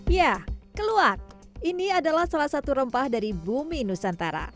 ya keluak ini adalah salah satu rempah dari bumi nusantara